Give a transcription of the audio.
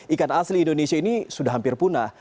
ikan asli indonesia ini sudah hampir punah